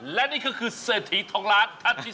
แล้วนี่ก็คือเศรษฐีท้องร้านท่านที่๓